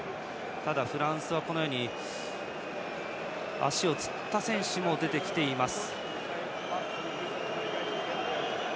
ただフランスは足をつった選手も出ています。